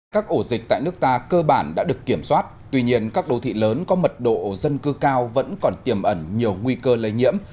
các ổ dịch tại nước ta cơ bản đã được kiểm soát tuy nhiên các đô thị lớn có mật độ dân cư cao vẫn còn tiềm ẩn nhiều nguy cơ lây nhiễm